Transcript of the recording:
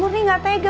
murni nggak tega